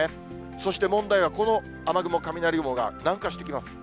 そして問題は、この雨雲、雷雲が南下してきます。